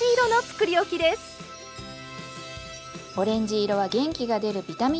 オレンジ色は元気が出るビタミンカラー。